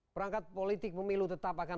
berangkat politik pemilu tetap akan melaksanakan